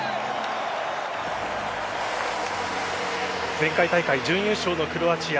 前回大会準優勝のクロアチア。